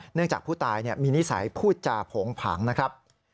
จากผู้ตายมีนิสัยพูดจาโผงผังนะครับ